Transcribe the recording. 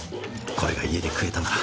これが家で食えたなら。